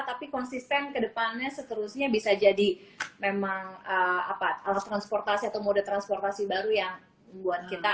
tapi konsisten ke depannya seterusnya bisa jadi memang alat transportasi atau mode transportasi baru yang buat kita